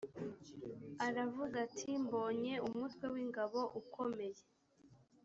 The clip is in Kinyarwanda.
aravuga ati mbonye umutwe w ingabo ukomeye